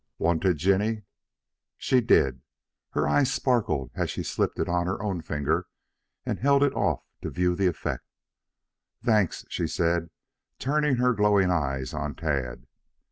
"Want it, Jinny?" She did. Her eyes sparkled as she slipped it on her own finger and held it off to view the effect. "Thank," she said, turning her glowing eyes on Tad.